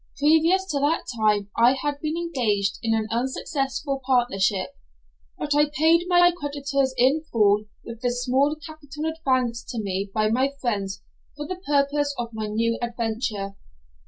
Previous to that time I had been engaged in an unsuccessful partnership, but I paid my creditors in full with the small capital advanced to me by my friends for the purpose of my new adventure.